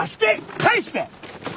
返して！